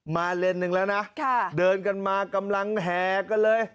เลนส์หนึ่งแล้วนะเดินกันมากำลังแห่กันเลย